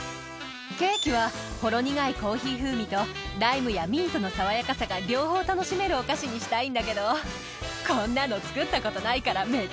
ケーキはほろ苦いコーヒー風味とライムやミントの爽やかさが両方楽しめるお菓子にしたいんだけどこんなの。